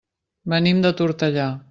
Venim de Tortellà.